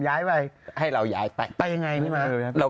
ดำเนินคดีต่อไปนั่นเองครับ